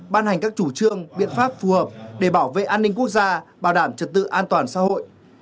ban hành các chủ trương biện pháp phù hợp để bảo vệ an ninh quốc gia bảo đảm trật tự an toàn xã hội